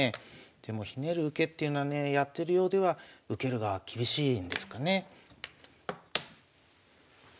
でもひねる受けっていうのはねやってるようでは受ける側厳しいんですかね。